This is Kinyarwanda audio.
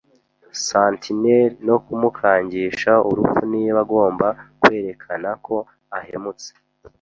sentinel no kumukangisha urupfu niba agomba kwerekana ko ahemutse.